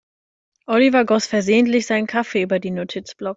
Oliver goss versehentlich seinen Kaffee über den Notizblock.